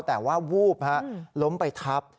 แต่ว่าวูบล้มไปทับ